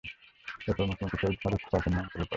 এরপর মুখে মুখে শহীদ হাদিস পার্কের নাম ছড়িয়ে পড়ে।